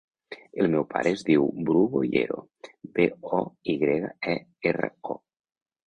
El meu pare es diu Bru Boyero: be, o, i grega, e, erra, o.